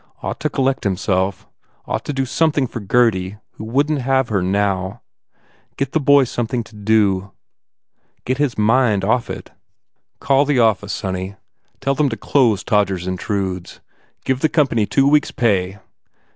Ought to collect himself. Ought to do something for Gurdy who wouldn t have her, now. Get the boy something to do. Get his mind off it. "Call the office, sonny. Tell them to close Todgers Intrudes. Give the company two weeks pay.